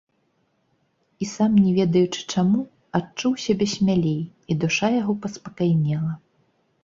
І, сам не ведаючы чаму, адчуў сябе смялей, і душа яго паспакайнела.